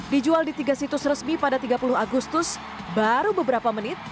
dijual di tiga situs resmi pada tiga puluh agustus baru beberapa menit